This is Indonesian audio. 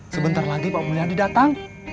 sebentar lagi pak pemulihan didatang